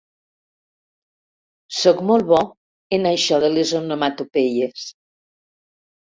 Sóc molt bo, en això de les onomatopeies.